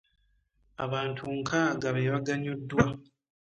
Abantu nkaaga be baganyuddwa.